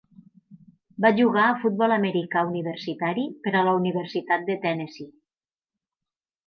Va jugar a futbol americà universitari per a la Universitat de Tennessee.